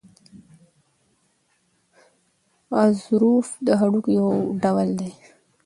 غضروف د هډوکو یو ډول دی.